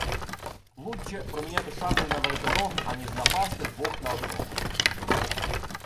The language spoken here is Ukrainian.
Лучче... проміняти шаблю на веретено, аніж напасти вдвох на одного!